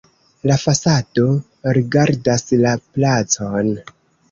La fasado rigardas la placon.